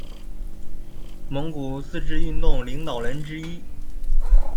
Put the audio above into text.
蒙古自治运动领导人之一。